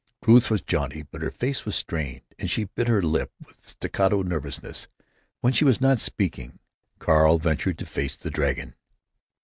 Ruth was jaunty, but her voice was strained, and she bit her lip with staccato nervousness when she was not speaking. Carl ventured to face the dragon.